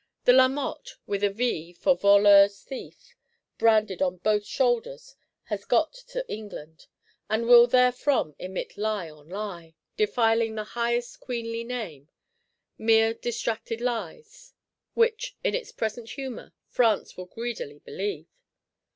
The Lamotte, with a V (for Voleuse, Thief) branded on both shoulders, has got to England; and will therefrom emit lie on lie; defiling the highest queenly name: mere distracted lies; which, in its present humour, France will greedily believe.